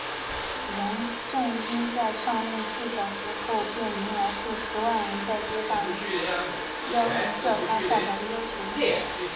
梁振英在上任数小时后便迎来数十万人在街上叫他下台的要求。